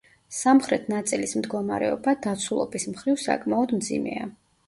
სამხრეთ ნაწილის მდგომარეობა, დაცულობის მხრივ, საკმაოდ მძიმეა.